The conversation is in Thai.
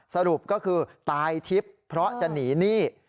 สรุปก็คือตายทิพย์เพราะจะหนีหนี้